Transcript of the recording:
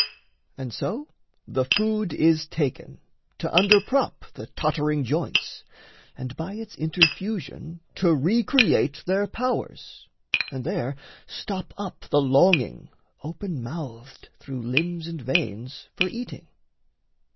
And so the food is taken to underprop The tottering joints, and by its interfusion To re create their powers, and there stop up The longing, open mouthed through limbs and veins, For eating.